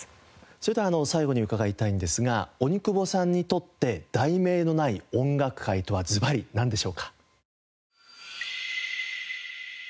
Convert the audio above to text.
それでは最後に伺いたいんですが鬼久保さんにとって『題名のない音楽会』とはずばりなんでしょうか？